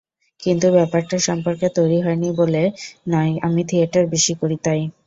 কিন্তু ব্যাপারটা সম্পর্ক তৈরি হয়নি বলে নয়, আমি থিয়েটার বেশি করি, তাই।